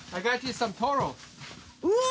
うわ！